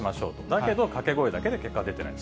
だけど、掛け声だけで結果が出ていない。